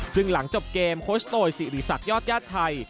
ซึ่งหลังจบเกมโคชโตยสิริษักยอดญาติไทย